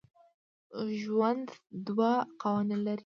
ژوند دوه قوانین لري.